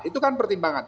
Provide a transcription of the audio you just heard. itu kan pertimbangan